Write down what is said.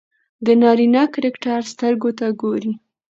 د نارينه کرکټر سترګو ته ګوري